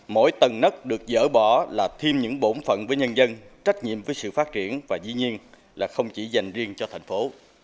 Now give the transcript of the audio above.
mỗi tầng nứt được dỡ bỏ là thêm những bổn phận với nhân dân trách nhiệm với sự phát triển và dĩ nhiên là không chỉ dành riêng cho thành phố